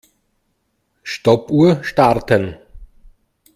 Stoppuhr starten.